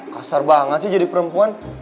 kasar banget sih jadi perempuan